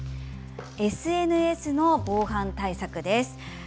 ＳＮＳの防犯対策です。